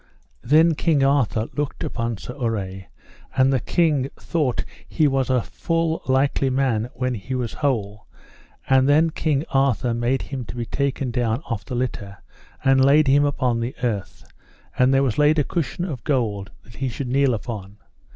Then King Arthur looked upon Sir Urre, and the king thought he was a full likely man when he was whole; and then King Arthur made him to be taken down off the litter and laid him upon the earth, and there was laid a cushion of gold that he should kneel upon.